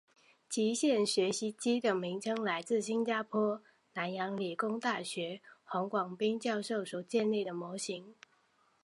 极限学习机的名称来自新加坡南洋理工大学黄广斌教授所建立的模型。